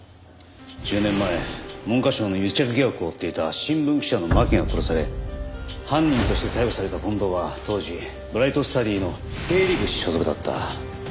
１０年前文科省の癒着疑惑を追っていた新聞記者の巻が殺され犯人として逮捕された近藤は当時ブライトスタディの経理部所属だった。